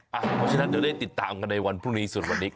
เพราะฉะนั้นจะได้ติดตามในวันพรุ่งนี้สุดวันนี้